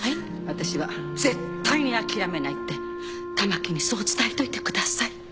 私は絶対に諦めないってたまきにそう伝えといてください。